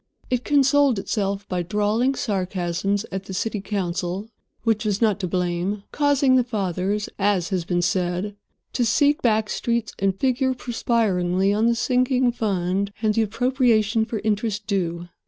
It consoled itself by drawling sarcasms at the city council which was not to blame, causing the fathers, as has been said, to seek back streets and figure perspiringly on the sinking fund and the appropriation for interest due.